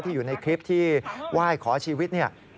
ที่อยู่ในคลิปที่ไหว้ขอชีวิต